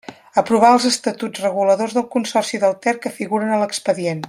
Aprovar els estatuts reguladors del Consorci del Ter que figuren a l'expedient.